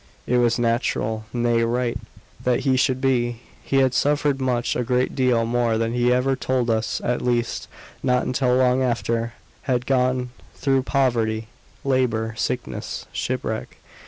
It was natural, nay, right, that he should be. He had suffered much; a great deal more than he ever told us at least, not till long after; had gone through poverty, labour, sickness, shipwreck.